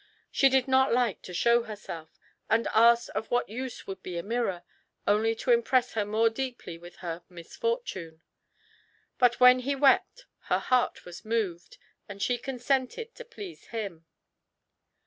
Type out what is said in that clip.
She did not like to show herself, and asked of what use would be a mirror, only to impress her more deeply with her misfortune; but when he wept, her heart was moved, and she consented, to please him.